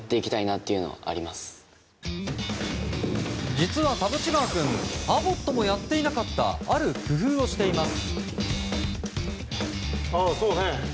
実は田渕川君アボットもやっていなかったある工夫をしています。